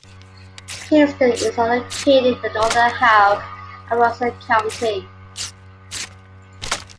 Kingston is located in the northern half of Luzerne County.